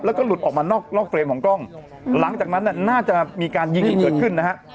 แล้วก็หลุดออกมานอกเฟรมของกล้องหลังจากนั้นเนี่ยน่าจะมีการยิงกันเกิดขึ้นนะฮะ